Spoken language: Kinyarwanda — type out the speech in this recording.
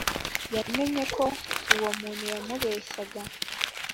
yamenye ko uwo muntu yamubeshyaga